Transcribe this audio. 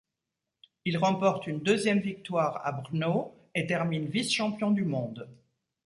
Il remporte une deuxième victoire à Brno et termine vice-champion du monde.